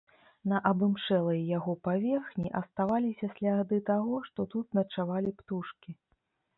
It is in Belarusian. На абымшэлай яго паверхні аставаліся сляды таго, што тут начавалі птушкі.